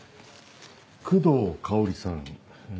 工藤香織さん。